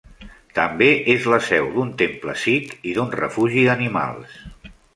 També és la seu d'un temple sikh i d'un refugi d'animals.